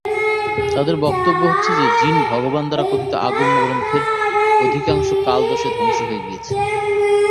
তাদের বক্তব্য হচ্ছে যে, জিন ভগবান দ্বারা কথিত আগম গ্রন্থের অধিকাংশ কাল-দোষে ধ্বংস হয়ে গিয়েছে।